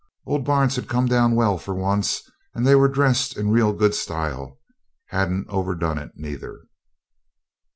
Old Barnes had come down well for once, and they were dressed in real good style hadn't overdone it neither.